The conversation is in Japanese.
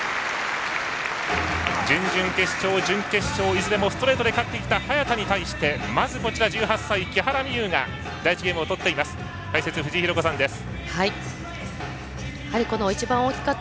準々決勝、準決勝、いずれもストレートで勝ってきた早田に対してまず１８歳、木原美悠が第１ゲームを取っていきました。